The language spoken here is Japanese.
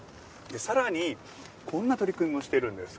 さらにこんな取り組みもしているんです。